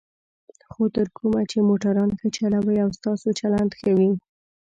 خو تر کومه چې موټران ښه چلوئ او ستاسو چلند ښه وي.